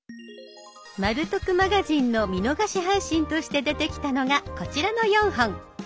「まる得マガジン」の見逃し配信として出てきたのがこちらの４本。